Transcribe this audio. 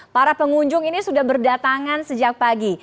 para pengunjung ini sudah berdatangan sejak pagi